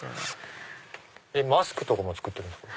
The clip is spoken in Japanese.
マスクとかも作ってるんですか？